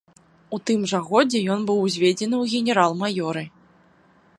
У тым жа годзе ён быў узведзены ў генерал-маёры.